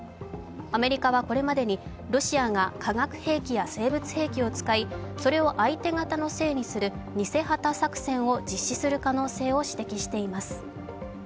アメリカはこれまでにロシアが化学兵器や生物兵器を使いそれを相手方のせいにする、偽旗作戦を実施する可能性を指摘しています。